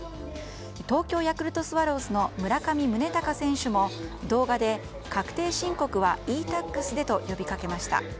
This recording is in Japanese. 東京ヤクルトスワローズの村上宗隆選手も、動画で確定申告はｅ‐Ｔａｘでと呼びかけました。